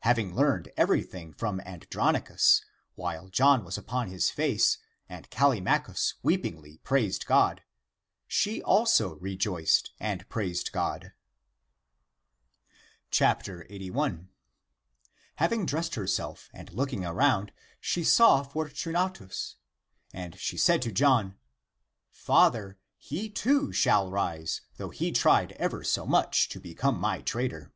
Having learned .everything from Andron icus, while John was upon his face and Callimachus weepingly praised God, she also rejoiced and praised God.^ 81. Having dressed herself and looking around, she saw Fortunatus. And she said to John, " Father, he, too, shall rise, though he tried ever so much to become my traitor."